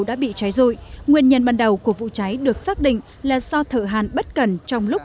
đã bị cháy rụi nguyên nhân ban đầu của vụ cháy được xác định là do thợ hàn bất cần trong lúc